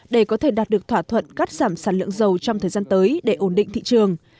để có thể đạt được thỏa thuận cắt giảm sản lượng dầu trong thời gian tới để ổn định thị trường